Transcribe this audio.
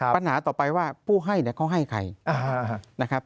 ปัญหาต่อไปว่าผู้ให้เขาให้ใคร